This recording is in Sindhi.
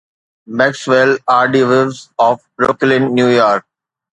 Maxwell R D Voss of Brooklyn, New York